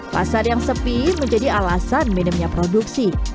pasar yang sepi menjadi alasan minimnya produksi